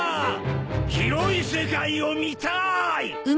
広い世界を見たい！